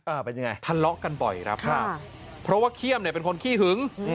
เออเป็นอย่างไรค่ะทันเลาะกันบ่อยครับพร้อมว่าเขี้ยมเป็นคนขี้หึง